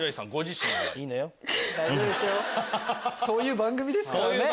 そういう番組ですから。